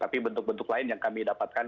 tapi bentuk bentuk lain yang kami dapatkan